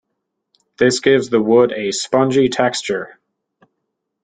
This gives the wood a spongy texture.